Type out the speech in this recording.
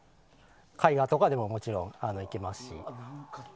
絵画とかでも、もちろんいけますし。